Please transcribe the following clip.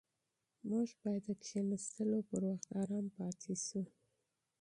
موږ باید د کښېناستو پر مهال ارام پاتې شو.